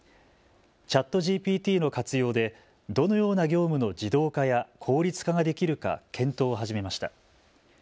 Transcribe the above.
ＣｈａｔＧＰＴの活用でどのような業務の自動化や効率化ができるか検討を始めました。